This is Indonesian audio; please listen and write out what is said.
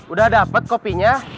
udah dapet kopinya